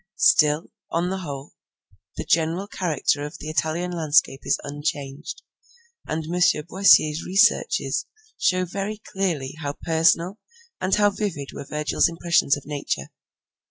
Still, on the whole, the general character of the Italian landscape is unchanged, and M. Boissier's researches show very clearly how personal and how vivid were Virgil's impressions of nature.